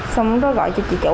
xong đó gọi cho chị chủ